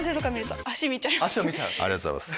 ありがとうございます。